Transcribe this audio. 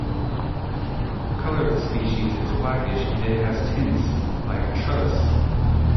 The color of the species is blackish and it has tints like trellis.